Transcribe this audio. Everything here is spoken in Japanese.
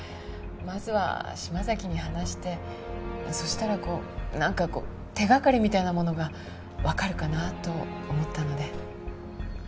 まずは島崎に話してそしたらこうなんか手がかりみたいなものがわかるかなと思ったので。